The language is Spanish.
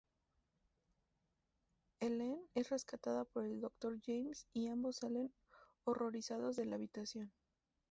Helene es rescatada por el doctor James, y ambos salen horrorizados de la habitación.